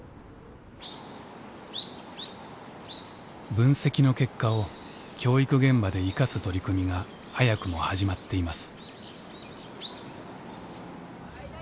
分析の結果を教育現場で生かす取り組みが早くも始まっています。